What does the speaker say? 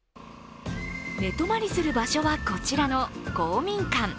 寝泊まりする場所は、こちらの公民館。